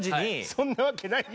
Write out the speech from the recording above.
そんなわけないやん。